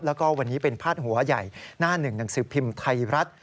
แล้วก็วันนี้เป็นพาดหัวใหญ่หน้าหนึ่งหนังสือพิมพ์ไทยรัฐ